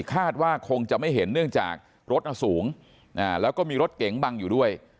คาดว่าคงจะไม่เห็นเนื่องจากรถสูงแล้วก็มีรถเก๋งบังอยู่ด้วย